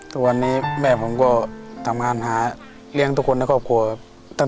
ทุกวันนี้แม่ผมก็ทำงานหาเลี้ยงทุกคนในครอบครัวครับ